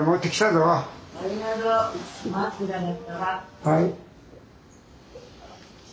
はい。